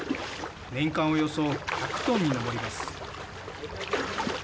年間およそ１００トンに上ります。